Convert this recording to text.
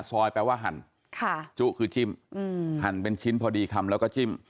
ซอยแปลว่าหั่นค่ะจุคือจิ้มหั่นเป็นชิ้นพอดีคำแล้วก็จิ้ม